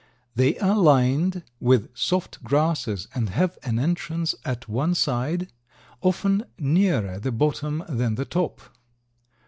They are lined with soft grasses and have an entrance at one side, often nearer the bottom than the top.